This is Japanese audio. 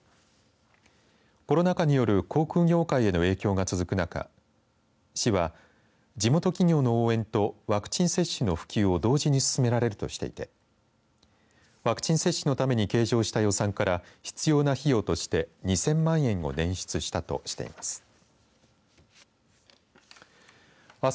コロナ禍による航空業界への影響が続く中市は地元企業の応援とワクチン接種の普及を同時に進められるとしていてワクチン接種のために計上した予算から必要な費用として２０００万円を捻出したとしています。